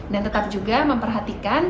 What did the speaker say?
dan tetap juga memperhatikan